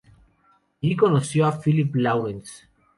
Allí conoció a Philip Lawrence.